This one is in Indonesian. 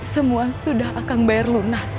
semua sudah akan bayar lunas